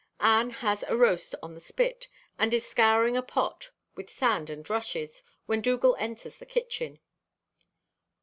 Anne has a roast on the spit, and is scouring a pot with sand and rushes, when Dougal enters the kitchen.